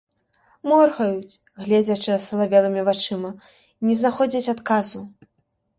Моргаюць, гледзячы асалавелымі вачыма, і не знаходзяць адказу.